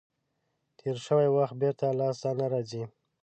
تیر شوی وخت بېرته لاس ته نه راځي.